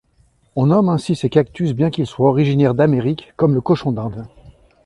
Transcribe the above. On nomme ainsi ces cactus bien qu'ils soient originaires d'Amérique, comme le Cochon d'Inde.